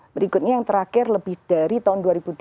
berikutnya yang terakhir lebih dari tahun dua ribu delapan